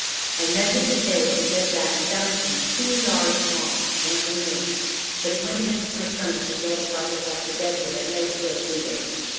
I measured the tail of the dead rat, and found it to be two yards long, wanting an inch; but it went against my stomach to draw the carcass off the bed, where it lay still bleeding.